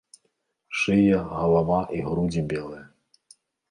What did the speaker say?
Шыя, галава і грудзі белыя.